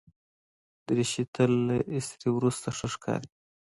دریشي تل له استري وروسته ښه ښکاري.